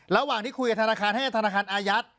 ระหว่างที่คุยกับธนาคารให้ธนาคารอายัด